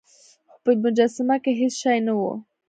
خو په مجسمه کې هیڅ شی نه و.